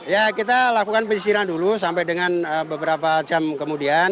ya kita lakukan penyisiran dulu sampai dengan beberapa jam kemudian